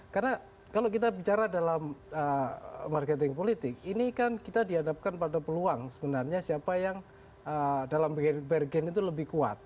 karena kalau kita bicara dalam marketing politik ini kan kita dihadapkan pada peluang sebenarnya siapa yang dalam bergen itu lebih kuat